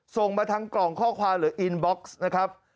ส่งมาทางกล่องข้อความหรืออินบ็อกซ์นะครับ